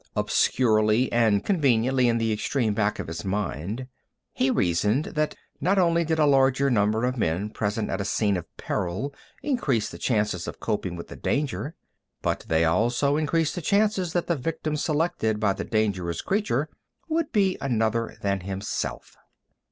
Obscurely and conveniently in the extreme back of his mind he reasoned that not only did a larger number of men present at a scene of peril increase the chances of coping with the danger, but they also increased the chances that the victim selected by the dangerous creature would be another than himself.